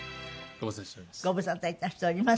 ご無沙汰しております。